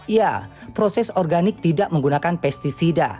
ya proses organik tidak menggunakan pesticida